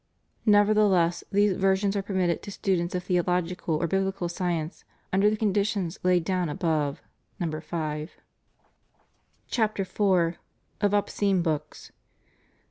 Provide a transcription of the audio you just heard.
Nevertheless, these versions are permitted to students of theological or biblical science, under the conditions laid down above (No. 5). CHAPTER IV. Of Obscene Books.